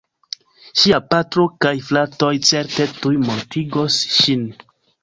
Ŝia patro kaj fratoj certe tuj mortigos ŝin.